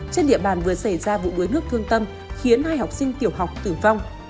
trên địa bàn vừa xảy ra vụ đuối nước thương tâm khiến hai học sinh tiểu học tử vong